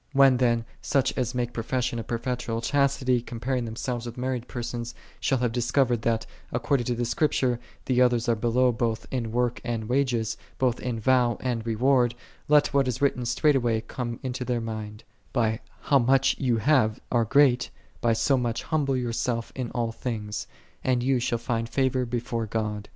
When then such as make profession of perpetual chas tity, comparing themselves with married per sons, shall have discovered, that, according to the Scriptures, the others are below both in work and wages, both in vow and reward, let what is written straightway come into their mind, " By how much thou arl greal, by so much humble thyself in all things: and thou shalt find favor before God."